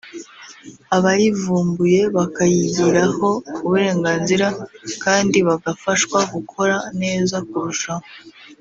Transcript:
abayivumbuye bakayigiraho uburenganzira kandi bagafashwa gukora neza kurushaho